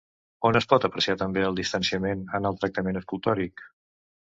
On es pot apreciar també el distanciament en el tractament escultòric?